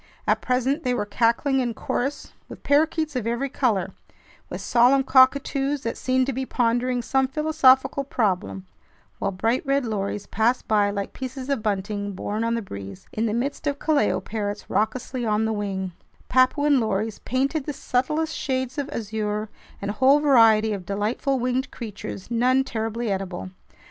At present they were cackling in chorus with parakeets of every color, with solemn cockatoos that seemed to be pondering some philosophical problem, while bright red lories passed by like pieces of bunting borne on the breeze, in the midst of kalao parrots raucously on the wing, Papuan lories painted the subtlest shades of azure, and a whole variety of delightful winged creatures, none terribly edible.